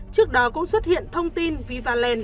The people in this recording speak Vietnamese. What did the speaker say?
trước đó cũng xuất hiện thông tin vivaland